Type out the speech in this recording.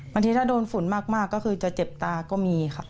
บางทีถ้าโดนฝุ่นมากก็คือจะเจ็บตาก็มีค่ะ